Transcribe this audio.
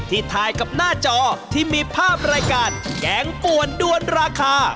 ถ่ายกับหน้าจอที่มีภาพรายการแกงป่วนด้วนราคา